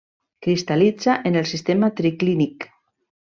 Cristal·litza en el sistema triclínic.